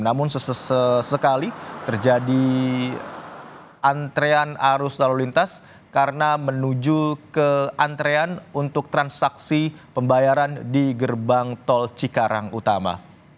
namun sesekali terjadi antrean arus lalu lintas karena menuju ke antrean untuk transaksi pembayaran di gerbang tol cikarang utama